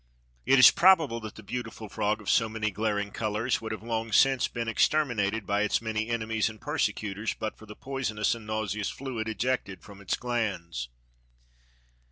It is probable that the beautiful frog of so many glaring colors would have long since been exterminated by its many enemies and persecutors but for the poisonous and nauseous fluid ejected from its glands.